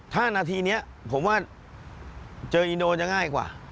ถ้านาทีนี้ผมว่าเจออินโดจะง่ายกว่า